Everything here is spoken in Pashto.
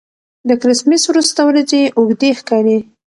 د کرېسمېس وروسته ورځې اوږدې ښکاري.